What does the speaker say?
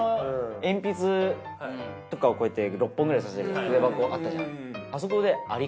鉛筆とかを６本くらい差せる筆箱あったじゃん。